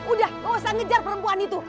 udah gak usah ngejar perempuan itu